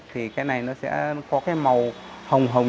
thì cái này nó sẽ có cái màu hồng hồng